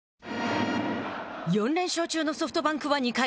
４連勝中のソフトバンクは２回。